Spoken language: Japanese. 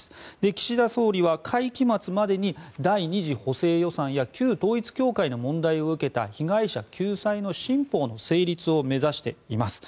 岸田総理は会期末までに第２次補正予算や旧統一教会の問題を受けた被害者救済の新法の成立を目指しています。